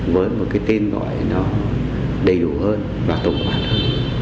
với một cái tên gọi nó đầy đủ hơn và tổng quan hơn